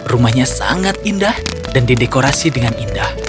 rumahnya sangat indah dan didekorasi dengan indah